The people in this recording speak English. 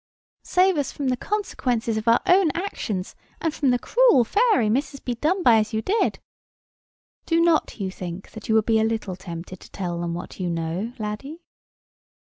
Save us from the consequences of our own actions, and from the cruel fairy, Mrs. Bedonebyasyoudid!' Do not you think that you would be a little tempted then to tell what you know, laddie?"